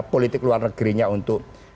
politik luar negerinya untuk